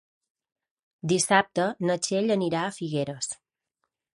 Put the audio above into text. Dissabte na Txell anirà a Figueres.